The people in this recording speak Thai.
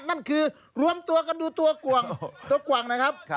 นั่นคือรวมตัวกันดูตัวกวงตัวกวางนะครับ